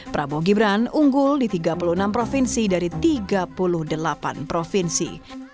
prabowo gibran unggul di tiga puluh enam provinsi dari tiga puluh delapan provinsi